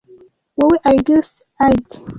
Wowe Argus Eyed